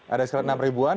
ada sekitar enam ribuan